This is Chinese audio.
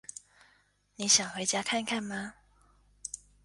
你想回家看看吗？